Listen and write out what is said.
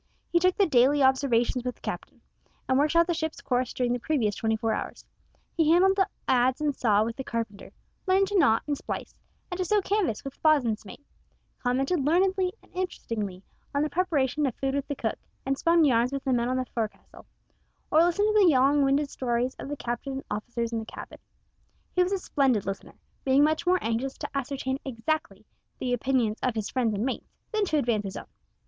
He took the daily observations with the captain, and worked out the ship's course during the previous twenty four hours. He handled the adze and saw with the carpenter, learned to knot and splice, and to sew canvas with the bo's'n's mate, commented learnedly and interestingly on the preparation of food with the cook, and spun yarns with the men on the forecastle, or listened to the long winded stories of the captain and officers in the cabin. He was a splendid listener, being much more anxious to ascertain exactly the opinions of his friends and mates than to advance his own.